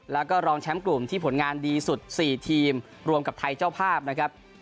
แล้วก็รองแชมป์กลุ่มที่ผลงานดีสุด๔ทีมรวมกับไทยเจ้าภาพนะครับ